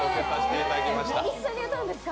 一緒に歌うんですか？